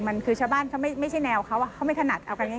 มันคือชาวบ้านเขาไม่ใช่แนวเขาเขาไม่ถนัดเอากันง่าย